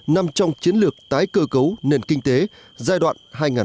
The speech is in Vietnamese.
nằm trong chiến lược tái cơ cấu nền kinh tế giai đoạn hai nghìn một mươi một hai nghìn một mươi năm